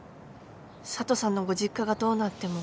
佐都さんのご実家がどうなっても。